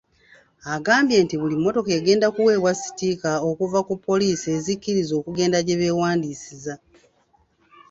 Agambye nti buli mmotoka egenda kuweebwa sitiika okuva ku poliisi ezikkiriza okugenda gye beewandiisiza.